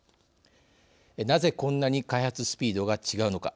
なぜこんなに開発スピードが違うのか。